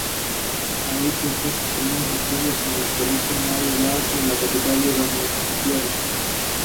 Los productos son anunciados en una prodigiosa ceremonia televisada.